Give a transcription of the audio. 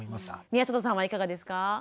宮里さんはいかがですか？